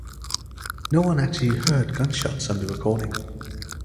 No one actually heard gunshots on the recording.